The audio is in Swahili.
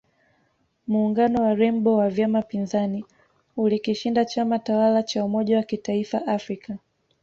Muungano wa Rainbow wa vyama pinzani ulikishinda chama tawala cha umoja wa kitaifa Afrika